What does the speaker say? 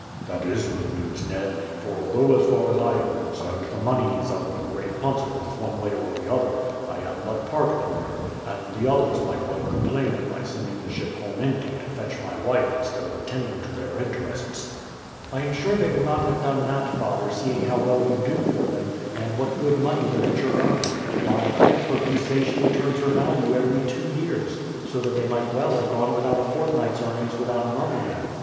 "That is good news, Ned; for although as far as I am concerned the money is of no great consequence one way or the other, I am but part owner, and the others might well complain at my sending the ship home empty to fetch my wife instead of attending to their interests." "I am sure they would not have done that, father, seeing how well you do for them, and what good money the Venture earns. Why, I have heard you say she returns her value every two years. So that they might well have gone without a fortnight's earnings without murmuring."